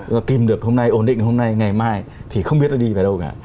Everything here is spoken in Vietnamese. nó tìm được hôm nay ổn định hôm nay ngày mai thì không biết nó đi về đâu cả